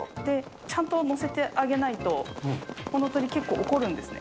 ちゃんと乗せてあげないと、この鳥、結構怒るんですね。